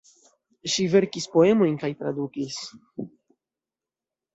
Ŝi verkis poemojn kaj tradukis.